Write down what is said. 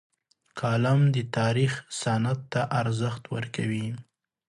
قلم د تاریخ سند ته ارزښت ورکوي